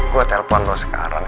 gue telpon lo sekarang